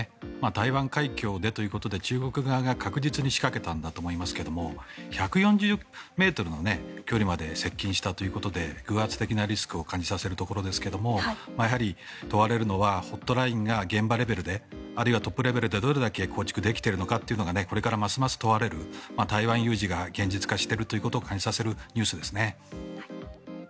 台湾海峡でということで中国側が確実に仕掛けたんだと思いますが１４０ｍの距離まで接近したということで偶発的なリスクを感じさせるところですがやはり問われるのはホットラインが現場レベルであるいはトップレベルでどれだけ構築できているのかがこれからますます問われる台湾有事が現実化しているということを感じさせるニュースですね。